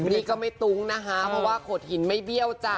นี่ก็ไม่ตุ้งนะคะเพราะว่าโขดหินไม่เบี้ยวจ้ะ